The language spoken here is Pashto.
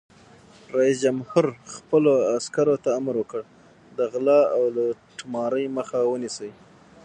رئیس جمهور خپلو عسکرو ته امر وکړ؛ د غلا او لوټمارۍ مخه ونیسئ!